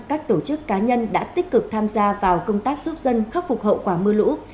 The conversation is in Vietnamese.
các tổ chức cá nhân đã tích cực tham gia vào công tác giúp dân khắc phục hậu quả mưa lũ